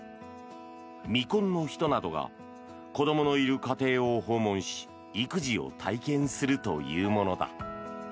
未婚の人などが子どものいる家庭を訪問し育児を体験するというものだ。